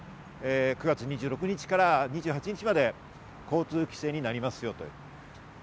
９月２６日から２８日まで交通規制になりますよという。